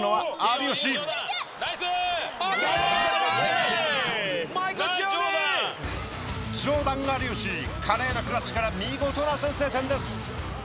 ジョーダン有吉華麗なクラッチから見事な先制点です。